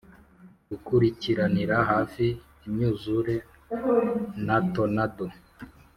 gukurikiranira hafi imyuzure na tonado.